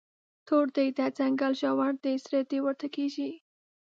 تور دی، دا ځنګل ژور دی، زړه دې ورته کیږي